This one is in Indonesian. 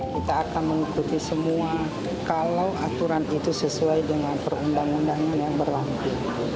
kita akan mengikuti semua kalau aturan itu sesuai dengan perundang undangan yang berlaku